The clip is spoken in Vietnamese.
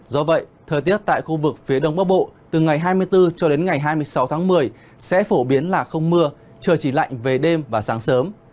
do vậy thời tiết tại khu vực phía đông bắc bộ từ ngày hai mươi bốn cho đến ngày hai mươi sáu tháng một mươi sẽ phổ biến là không mưa trời chỉ lạnh về đêm và sáng sớm